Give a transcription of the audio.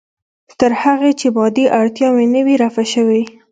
تر هغې چې مادي اړتیا نه وي رفع شوې.